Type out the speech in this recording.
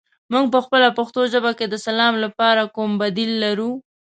موږ پخپله پښتو ژبه کې د سلام لپاره کوم بدیل لرو؟